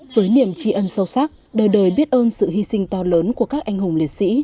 với niềm trí ơn sâu sắc đời đời biết ơn sự hy sinh to lớn của các anh hùng địa sĩ